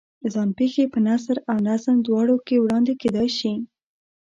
ځان پېښې په نثر او نظم دواړو کې وړاندې کېدای شي.